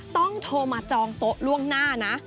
โทรมาจองโต๊ะล่วงหน้านะ